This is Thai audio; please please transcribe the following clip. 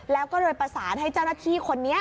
แล้วก็เลยประสานให้เจ้าหน้าที่คนนี้